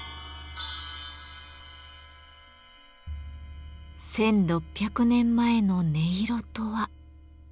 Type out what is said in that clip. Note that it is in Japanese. １，６００年前の音色とは。